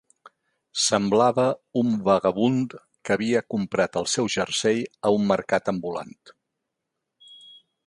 Semblava un vagabund que havia comprat el seu jersei a un mercat ambulant